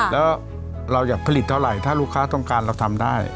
แล้วเราอยากผลิตเท่าไหร่ถ้าลูกค้าต้องการเราทำได้